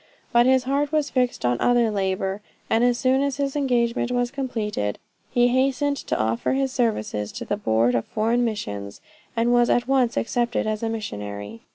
But his heart was fixed on other labor, and as soon as his engagement was completed, he hastened to offer his services to the Board of Foreign Missions, and was at once accepted as a missionary.